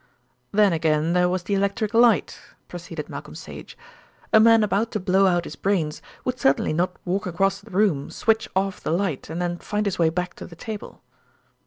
"Then, again, there was the electric light," proceeded Malcolm Sage. "A man about to blow out his brains would certainly not walk across the room, switch off the light, and then find his way back to the table."